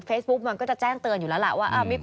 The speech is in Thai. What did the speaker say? มันก็จะแจ้งเตือนอยู่แล้วล่ะว่า